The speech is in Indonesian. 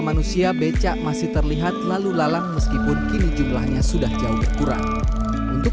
manusia becak masih terlihat lalu lalang meskipun kini jumlahnya sudah jauh berkurang untuk